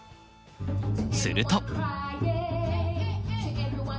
すると！